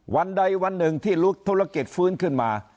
วันใดวันหนึ่งที่ลุกธุรกิจฟื้นขึ้นมา